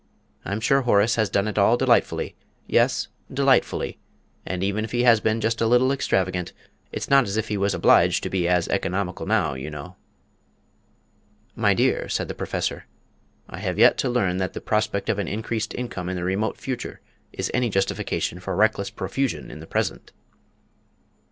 I'm sure Horace has done it all delightfully yes, delightfully; and even if he has been just a little extravagant, it's not as if he was obliged to be as economical now, you know!" "My dear," said the Professor, "I have yet to learn that the prospect of an increased income in the remote future is any justification for reckless profusion in the present."